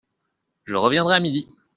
Je reviendrai à midi !